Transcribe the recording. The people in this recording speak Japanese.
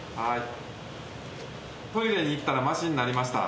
トイレに行ったらましになりました。